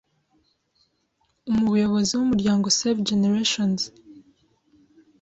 Umuyobozi w’umuryango Save Generations